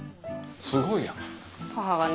すごいやん。